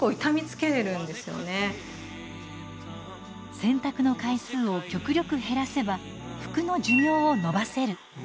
洗濯の回数を極力減らせば服の寿命を延ばせる。